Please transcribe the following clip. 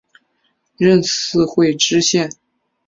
任四会知县。